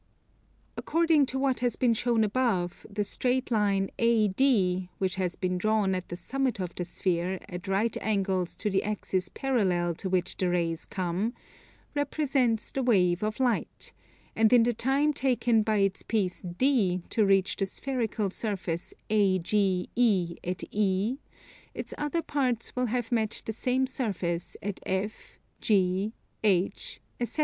According to what has been shown above, the straight line AD, which has been drawn at the summit of the sphere, at right angles to the axis parallel to which the rays come, represents the wave of light; and in the time taken by its piece D to reach the spherical surface AGE at E, its other parts will have met the same surface at F, G, H, etc.